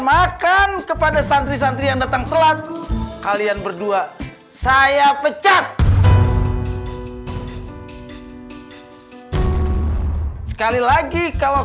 makan kepada santri santri yang datang telat kalian berdua saya pecat sekali lagi kalau